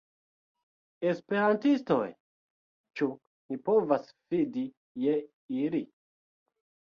Esperantistoj? Ĉu ni povas fidi je ili?